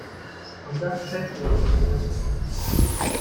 Und das schätze ich an ihr.